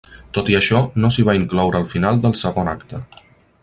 Tot i això, no s'hi va incloure el final del segon acte.